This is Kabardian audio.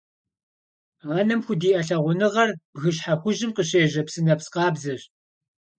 Анэм худиӀэ лъагъуныгъэр бгыщхьэ хужьым къыщежьэ псынэпс къабзэщ.